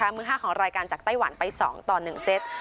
มือ๕ของรายการจากไต้หวันไป๒ต่อ๑เซต